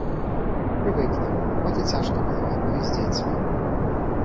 Прывыкла, хоць і цяжка было адной з дзецьмі.